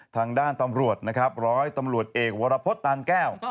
ทางด้านตำรวจร้อยตำรวจเอกวรพฤตาลแก้ว